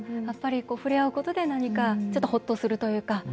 やっぱり触れ合うことでほっとするというか。